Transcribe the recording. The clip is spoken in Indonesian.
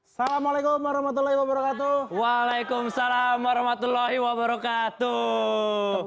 assalamualaikum warahmatullahi wabarakatuh waalaikumsalam warahmatullahi wabarakatuh